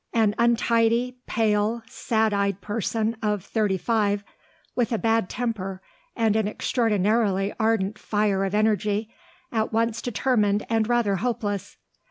An untidy, pale, sad eyed person of thirty five, with a bad temper and an extraordinarily ardent fire of energy, at once determined and rather hopeless.